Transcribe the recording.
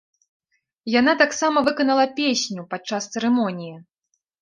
Яна таксама выканала песню падчас цырымоніі.